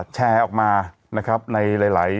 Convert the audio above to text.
แชร์ออกมานะครับในหลาย